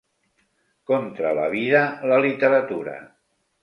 Contra la vida, la literatura.